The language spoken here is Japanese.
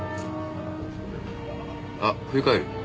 あっ振り返る。